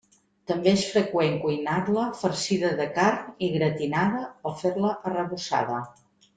També és freqüent cuinar-la farcida de carn i gratinada o fer-la arrebossada.